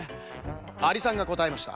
アリさんがこたえました。